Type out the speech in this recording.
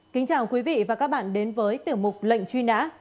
kính chào quý vị và các bạn đến với tiểu mục lệnh truy nã